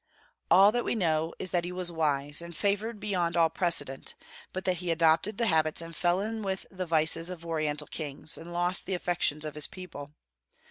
All that we know is that he was wise, and favored beyond all precedent, but that he adopted the habits and fell in with the vices of Oriental kings, and lost the affections of his people.